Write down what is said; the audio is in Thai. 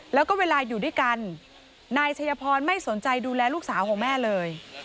แล้วก็เวลาอยู่ด้วยกันนายชัยพรไม่สนใจดูแลลูกสาวของแม่เลย